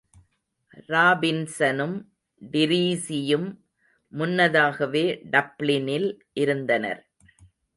ராபின்ஸனும், டிரீஸியும் முன்னதாகவே டப்ளினில் இருந்தனர்.